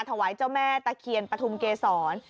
ถวายเจ้าแม่ตะเคียนปฐุมเกษร